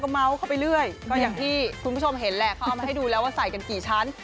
เมาส์เข้าไปเรื่อยก็อย่างที่คุณผู้ชมเห็นแหละเขาเอามาให้ดูแล้วว่าใส่กันกี่ชั้น